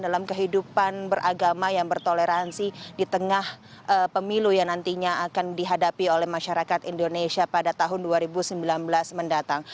dalam kehidupan beragama yang bertoleransi di tengah pemilu yang nantinya akan dihadapi oleh masyarakat indonesia pada tahun dua ribu sembilan belas mendatang